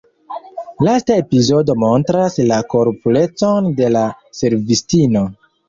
Lasta epizodo montras la korpurecon de la servistino.